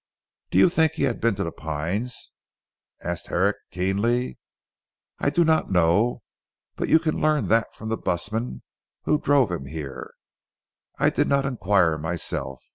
"Do you think he had been to 'The Pines?' asked Herrick keenly. "I do not know. But you can learn that from the busman who drove him here. I did not inquire myself.